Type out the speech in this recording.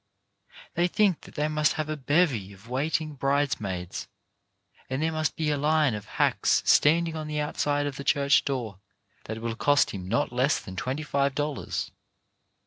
They think that they must have a bevy of waiting bridesmaids, and there must be a line of hacks standing on the outside of the church door that will cost him not less than twenty five dollars.